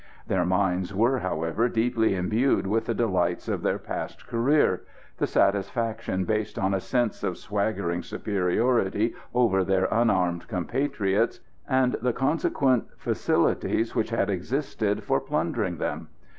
Their minds were, however, deeply imbued with the delights of their past career the satisfaction based on a sense of swaggering superiority over their unarmed compatriots, and the consequent facilities which had existed for plundering them.